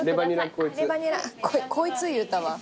こいつ言うたわ。